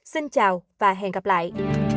xin chào và hẹn gặp lại